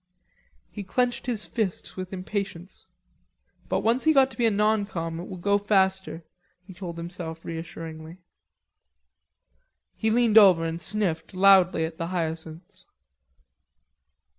He clenched his fists with impatience. But once he got to be a non com it would go faster, he told himself reassuringly. He leaned over and sniffed loudly at the hyacinths.